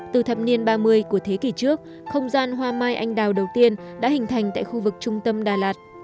từ thập niên ba mươi của thế kỷ trước không gian hoa mai anh đào đầu tiên đã hình thành tại khu vực trung tâm đà lạt